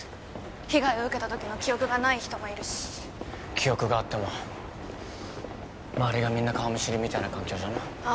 被害を受けたときの記憶がない人もいるし記憶があっても周りがみんな顔見知りみたいな環境じゃなあ